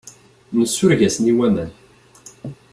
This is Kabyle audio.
Nsureg-asen i waman.